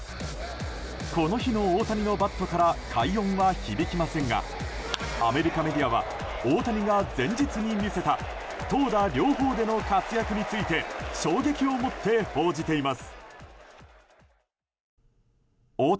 この日の大谷のバットから快音は響きませんがアメリカメディアは大谷が前日に見せた投打両方での活躍について衝撃を持って報じています。